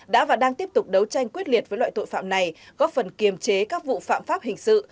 đã và đang tiếp tục đấu tranh quyết liệt với loại tội phạm này góp phần kiềm chế các vụ phạm pháp hình sự